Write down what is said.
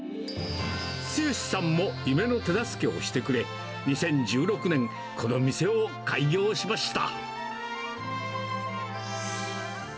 剛さんも夢の手助けをしてくれ、２０１６年、この店を開業しました。